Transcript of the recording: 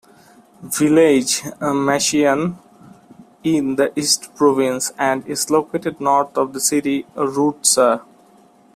Village "Machian" in the East province and is located north of the city Roodsar.